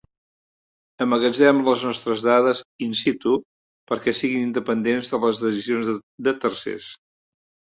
Emmagatzemem les nostres dades 'in situ' perquè siguin independents de les decisions de tercers.